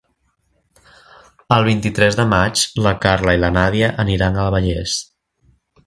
El vint-i-tres de maig na Carla i na Nàdia aniran a Vallés.